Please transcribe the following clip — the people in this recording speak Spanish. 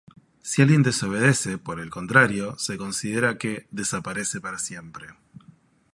Si alguien desobedece, por el contrario, se considera que "desaparece para siempre".